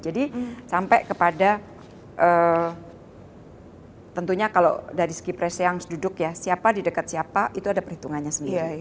jadi sampai kepada tentunya kalau dari segi presiden yang duduk ya siapa di dekat siapa itu ada perhitungannya sendiri